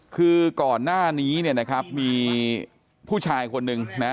คือก่อนหน้านี้เนี่ยนะครับมีผู้ชายคนหนึ่งนะฮะ